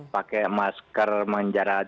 pakai masker menjara